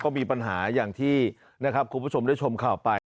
ก็มีปัญหาอย่างที่นะครับคุณผู้ชมได้ชมข่าวไป